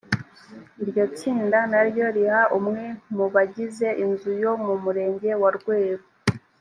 iryo tsinda na ryo riha umwe mu barigize inzu yo mu murenge wa rweru